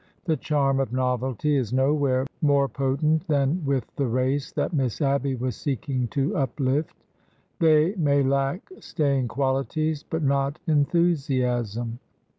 The charm of novelty is nowhere more potent than with the race that Miss Abby was seeking to uplift. They may lack staying qualities, but not enthusiasm.